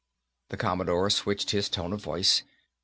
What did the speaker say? The Commodore switched his tone of voice.